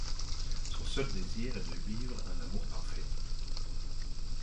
Son seul désir est de vivre un amour parfait.